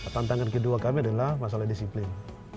tantangan kedua kami adalah masalah disiplin